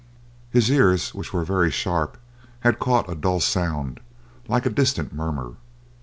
His ears, which were very sharp, had caught a dull sound, like a distant murmur.